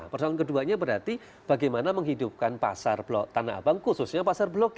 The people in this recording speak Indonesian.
persoalan keduanya berarti bagaimana menghidupkan pasar blok tanah abang khususnya pasar blok g